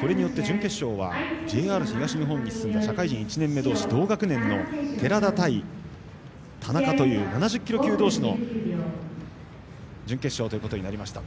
これによって準決勝はＪＲ東日本に進んだ社会人１年目同士、同学年の寺田対田中という７０キロ級同士の準決勝となりました。